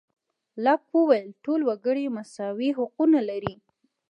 لاک وویل ټول وګړي مساوي حقونه لري.